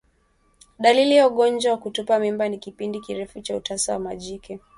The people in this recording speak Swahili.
Dalili ya ugonjwa wa kutupa mimba ni kipindi kirefu cha utasa kwa majike